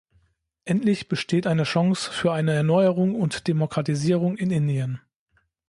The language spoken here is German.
Endlich besteht eine Chance für eine Erneuerung und Demokratisierung in Indien.